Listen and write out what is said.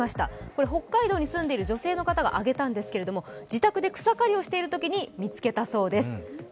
これ北海道に住んでいる女性の方が上げたんですけれども、自宅で草刈をしているときに見つけたそうです。